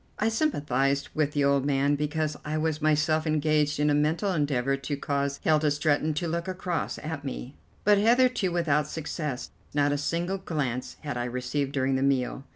I sympathized with the old man, because I was myself engaged in a mental endeavour to cause Hilda Stretton to look across at me, but hitherto without success. Not a single glance had I received during the meal.